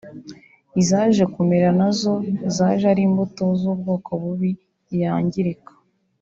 Izaje kumera nazo zaje ari imbuto y’ubwoko bubi yangirika